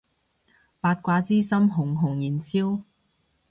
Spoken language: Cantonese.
八卦之心熊熊燃燒